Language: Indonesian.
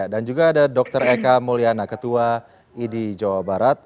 dan juga ada dr eka mulyana ketua idi jawa barat